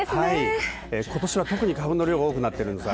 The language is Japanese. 今年は特に花粉の量が多くなっています。